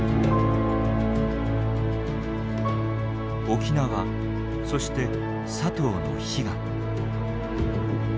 沖縄そして佐藤の悲願。